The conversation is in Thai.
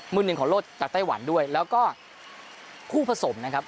หนึ่งของโลกจากไต้หวันด้วยแล้วก็คู่ผสมนะครับ